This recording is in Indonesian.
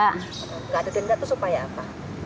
gak ada denda itu supaya apa